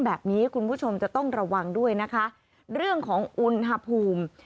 แบบนี้คุณผู้ชมจะต้องระวังด้วยนะคะเรื่องของอุณหภูมิ